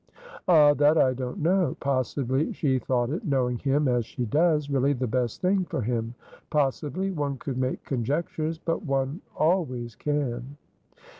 "Ah, that I don't know. Possibly she thought it, knowing him as she does, really the best thing for him. Possiblyone could make conjectures. But one always can."